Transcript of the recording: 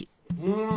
うん！